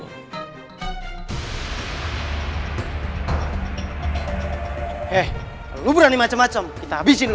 eh kalau lu berani macem macem kita habisin lu